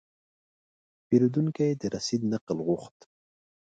پیرودونکی د رسید نقل غوښت.